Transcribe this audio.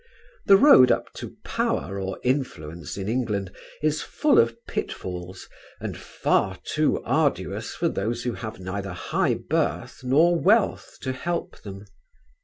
The road up to power or influence in England is full of pitfalls and far too arduous for those who have neither high birth nor wealth to help them.